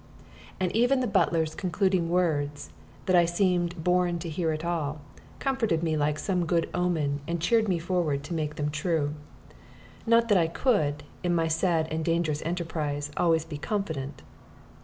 And even the butler's concluding words that I seemed born to hear it all comforted me like some good omen, and cheered me forward to make them true. Not that I could, in my sad and dangerous enterprise, always be confident.